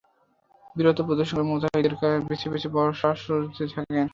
বীরত্ব প্রদর্শনকারী মুজাহিদদের বেছে বেছে বর্শা ছুড়তে থাকেন।